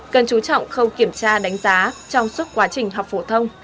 cần chú trọng không kiểm tra đánh giá trong suốt quá trình học phổ thông